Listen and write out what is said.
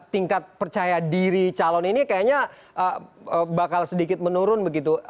tingkat percaya diri calon ini kayaknya bakal sedikit menurun begitu